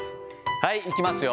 はい、いきますよ。